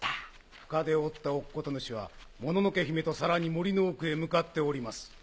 深手を負った乙事主はもののけ姫とさらに森の奥へ向かっております。